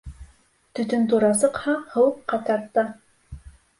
Төтөн тура сыҡһа, һыуыҡҡа тарта.